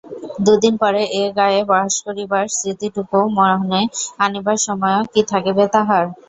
দুদিন পরে এ গাঁয়ে বাস করিবার স্মৃতিটুকু মনে আনিবার সময়ও কি থাকিবে তাহার?